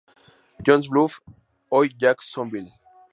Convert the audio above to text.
Johns Bluff, hoy Jacksonville.